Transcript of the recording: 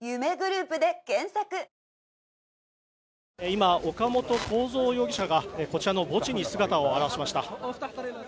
今、岡本公三容疑者がこちらの墓地に姿を現しました。